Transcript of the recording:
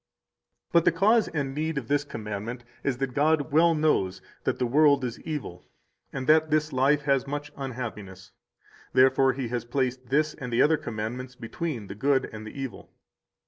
183 But the cause and need of this commandment is that God well knows that the world is evil, and that this life has much unhappiness; therefore He has placed this and the other commandments between the good and the evil.